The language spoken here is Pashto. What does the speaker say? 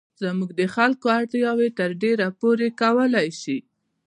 زموږ د خلکو اړتیاوې تر ډېره پوره کولای شي.